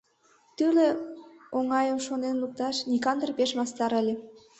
Тӱрлӧ оҥайым шонен лукташ Никандр пеш мастар ыле.